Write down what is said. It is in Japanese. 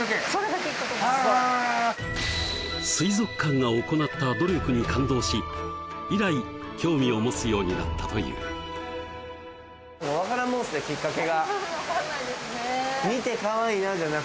水族館が行った努力に感動し以来興味を持つようになったという分かんないですね